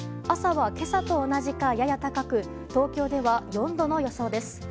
朝は今朝と同じか、やや高く東京では４度の予想です。